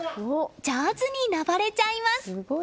上手に上れちゃいます。